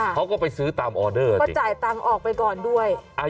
เขาก็ไปซื้อตามออเดอร์ก็จ่ายตังค์ออกไปก่อนด้วย